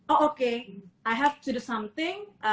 oh oke aku harus melakukan sesuatu